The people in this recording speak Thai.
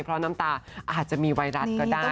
เพราะน้ำตาอาจจะมีไวรัสก็ได้